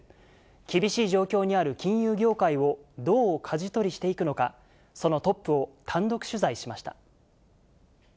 厳しい状況にある金融業界をどうかじ取りしていくのか、そのトップを単独取材しました。